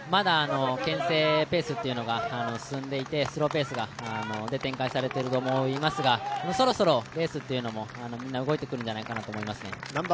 まだけん制ペースが進んでいてスローペースで展開されていると思いますがそろそろレースも、みんな動いてくるんじゃないかと思います。